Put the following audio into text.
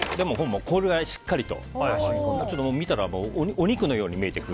このぐらいしっかりと見たらお肉のように見える。